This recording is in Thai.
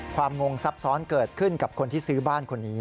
งงซับซ้อนเกิดขึ้นกับคนที่ซื้อบ้านคนนี้